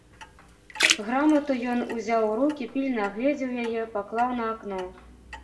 Грамату ён узяў у рукі, пільна агледзеў яе, паклаў на акно.